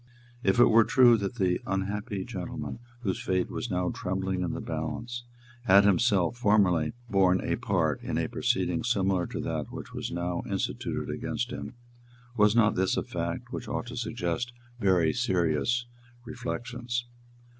If it were true that the unhappy gentleman whose fate was now trembling in the balance had himself formerly borne a part in a proceeding similar to that which was now instituted against him, was not this a fact which ought to suggest very serious reflections?